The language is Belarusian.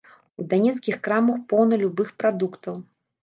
У данецкіх крамах поўна любых прадуктаў.